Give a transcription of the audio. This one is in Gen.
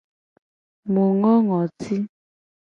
Mu ngo ngoti.